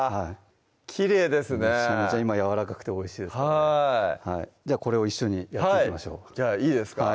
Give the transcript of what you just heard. きれいですねめちゃめちゃ今やわらかくておいしいですこれを一緒にやっていきましょうはいじゃあいいですか？